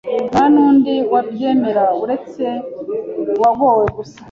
Ntanundi wabyemera uretse uwagowe gusa